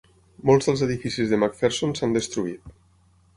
Molts dels edificis de MacPherson s'han destruït.